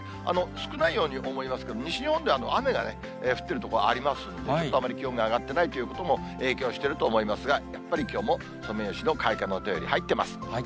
少ないように思いますけど、西日本では雨が降っている所ありますんで、ちょっとあまり気温が上がってないということも影響してると思いますが、やっぱりきょうもソメイヨシノ開花の便り入ってます。